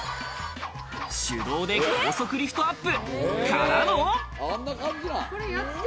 手動で高速リフトアップ、からの。